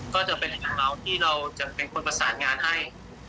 ก็จะเป็นของเขาที่เราจะเป็นคนประสานงานให้